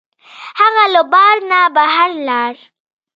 هغه له بار نه بهر لاړ.